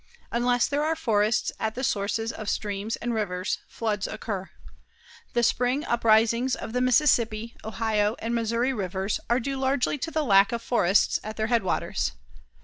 Unless there are forests at the sources of streams and rivers, floods occur. The spring uprisings of the Mississippi, Ohio and Missouri Rivers are due largely to the lack of forests at their headwaters.